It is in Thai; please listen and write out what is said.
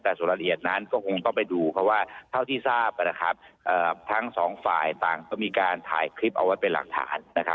แต่ส่วนรายละเอียดนั้นก็คงต้องไปดูเพราะว่าเท่าที่ทราบทั้งสองฝ่ายต่างก็มีการถ่ายคลิปเอาไว้เป็นหลักฐาน